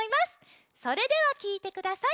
それではきいてください。